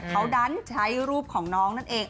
เขาดันใช้รูปของน้องนั่นเอง